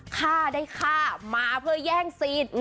ข้าได้ฆ่ามาเพื่อย่างซีน